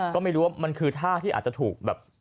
ก็ไม่รู้ว่ามันคือท่าที่อาจจะถูกแบบ